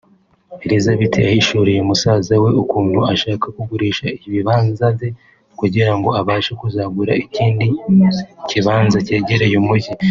Elisabeth yahishuriye musaza we ukuntu ashaka kugurisha ibibanza bye kugirango abashe kuzagura ikindi kibanza cyegereye umujyi